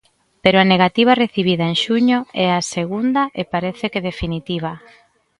Pero a negativa recibida en xuño é a segunda e parece que definitiva.